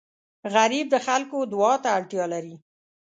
غریب د خلکو دعا ته اړتیا لري